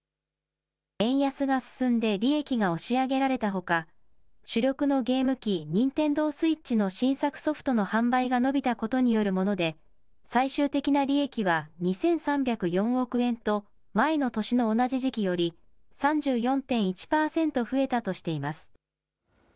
円安が進んで利益が押し上げられたほか、主力のゲーム機、ニンテンドースイッチの新作ソフトの販売が伸びたことによるもので、最終的な利益は２３０４億円と、前の年の同じ時期より３４．１％増えたとしています。